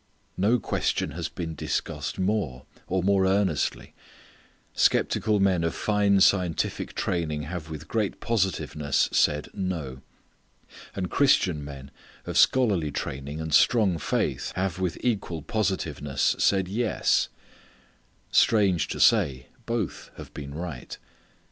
No question has been discussed more, or more earnestly. Skeptical men of fine scientific training have with great positiveness said "no." And Christian men of scholarly training and strong faith have with equal positiveness said "yes." Strange to say both have been right.